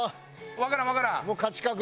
わからんわからん。